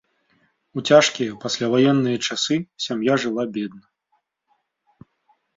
У цяжкія пасляваенныя часы сям'я жыла бедна.